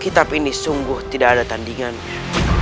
kita pilih sungguh tidak ada tandingannya